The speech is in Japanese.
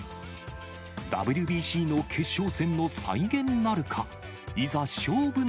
ＷＢＣの決勝戦の再現なるか。